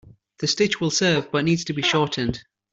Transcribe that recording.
The stitch will serve but needs to be shortened.